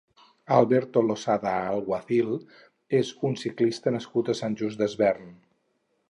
Alberto Losada Alguacil és un ciclista nascut a Sant Just Desvern.